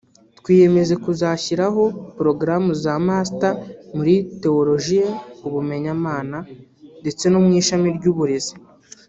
twiyemeje kuzashyiraho porogaramu ya masters muri theologie [ubumenyamana] ndetse no mu ishami ry’uburezi